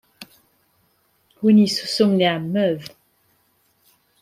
Win yessusmen, iɛemmed.